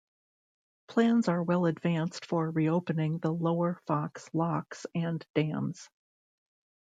Plans are well advanced for reopening the Lower Fox locks and dams.